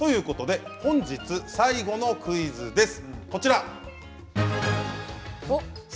本日、最後のクイズです。